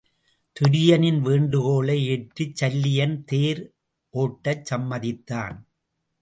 துரியனின் வேண்டுகோளை ஏற்றுச் சல்லியன் தேர் ஒட்டச் சம்மதித்தான்.